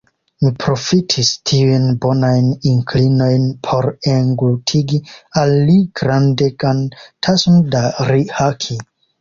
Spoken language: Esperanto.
Mi profitis tiujn bonajn inklinojn por englutigi al li grandegan tason da rhaki.